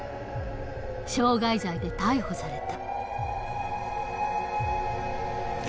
傷害罪で逮捕された。